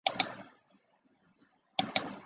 广西柳州因为是主要木材集散地之称。